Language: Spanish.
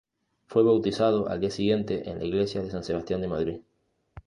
Fue bautizado al día siguiente en la iglesia de San Sebastián de Madrid.